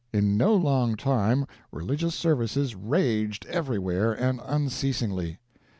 In no long time religious services raged everywhere and unceasingly.